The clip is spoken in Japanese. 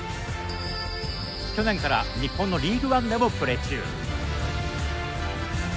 去年から日本のリーグワンでもプレー中。